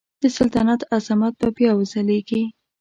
د سلطنت عظمت به بیا وځلیږي.